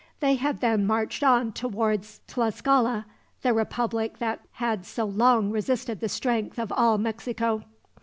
They had then marched on towards Tlascala, the republic that had so long resisted the strength of all Mexico.